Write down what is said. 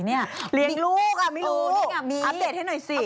เรียนลูกไม่รู้อัปเดตให้หน่อยสิเนี่ยกลับนี้